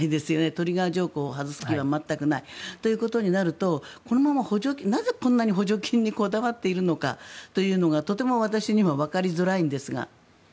トリガー条項を外す気はないということになるとなぜこんなに補助金にこだわっているのかというのがとても私にはわかりづらいんですが。